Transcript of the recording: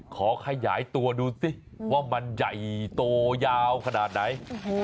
ขยายตัวดูสิว่ามันใหญ่โตยาวขนาดไหน